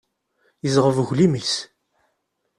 Yezɣeb uglim-is.